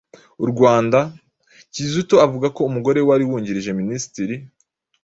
u Rwanda, Kizito avuga ko umugore wari wungirije minisitiri,